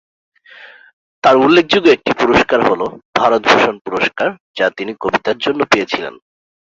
তার উল্লেখযোগ্য একটি পুরস্কার হলো- ভারত ভূষণ পুরস্কার যা তিনি কবিতার জন্য পেয়েছিলেন।